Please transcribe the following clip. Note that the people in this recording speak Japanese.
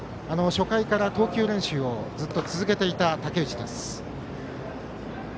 初回から投球練習をずっと続けていた武内です。